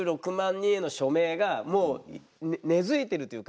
人への署名がもう根づいてるというか。